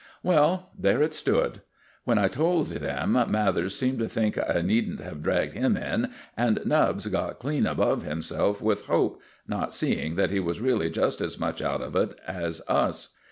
Well, there it stood. When I told them Mathers seemed to think I needn't have dragged him in, and Nubbs got clean above himself with hope, not seeing that he was really just as much out of it as us.